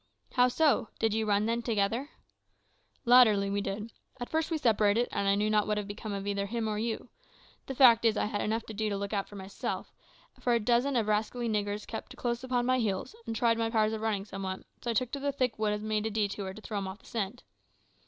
"How so? Did you, then, run together?" "Latterly we did. At first we separated, and I knew not what had become either of him or you. The fact is, I had enough to do to look out for myself, for a dozen of rascally niggers kept close upon my heels and tried my powers of running somewhat; so I took to the thick wood and made a detour, to throw them off the scent.